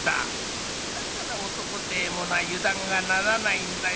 だから男てえものは油断がならないんだよ